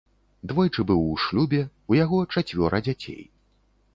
Двойчы быў у шлюбе, у яго чацвёра дзяцей.